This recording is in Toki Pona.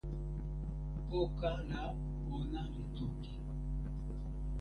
poka la ona li toki.